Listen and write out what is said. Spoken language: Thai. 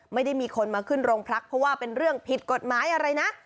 ไม่ได้มีคนมาขึ้นโรงพักเพราะว่าเป็นเรื่องผิดกฎหมายอะไรนะ